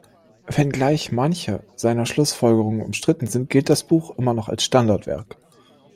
Wenngleich manche seiner Schlussfolgerungen umstritten sind, gilt das Buch immer noch als Standardwerk.